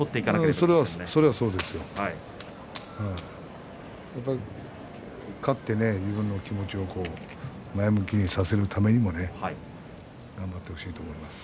やはり勝って自分の気持ちを前向きにさせるためにも頑張ってほしいと思います。